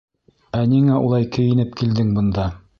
Ә ниңә улай кейенеп килдең бында?